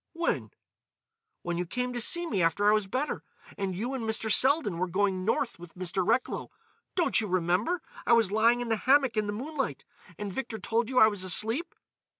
"When?" "When you came to see me after I was better, and you and Mr. Selden were going North with Mr. Recklow. Don't you remember; I was lying in the hammock in the moonlight, and Victor told you I was asleep?"